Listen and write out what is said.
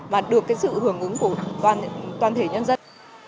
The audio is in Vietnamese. và được sự hưởng ứng của toàn thể nhân dân